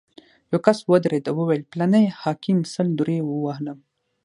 یو کس ودرېد او ویې ویل: فلاني حاکم سل درې ووهلم.